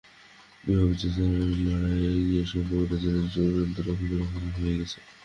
বিবাহ বিচ্ছেদের আইনি লড়াইয়ে গিয়ে সম্পর্কটা যেন চূড়ান্ত রকমের খারাপ হয়ে গেছে।